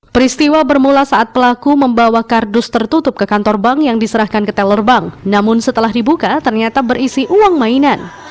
peristiwa bermula saat pelaku membawa kardus tertutup ke kantor bank yang diserahkan ke teller bank namun setelah dibuka ternyata berisi uang mainan